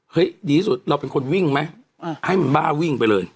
ดีที่สุดเราเป็นคนวิ่งไหมให้มันบ้าวิ่งไปเลย